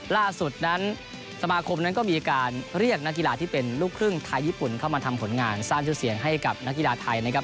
ล่าสุดนั้นสมาคมนั้นก็มีการเรียกนักกีฬาที่เป็นลูกครึ่งไทยญี่ปุ่นเข้ามาทำผลงานสร้างชื่อเสียงให้กับนักกีฬาไทยนะครับ